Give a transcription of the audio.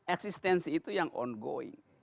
eksistensi itu yang on going